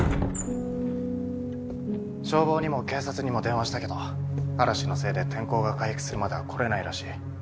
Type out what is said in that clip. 消防にも警察にも電話したけど嵐のせいで天候が回復するまでは来れないらしい。